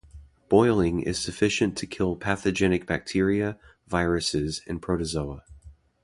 Boiling is sufficient to kill pathogenic bacteria, viruses and protozoa.